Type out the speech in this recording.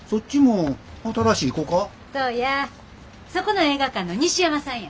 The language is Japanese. そこの映画館の西山さんや。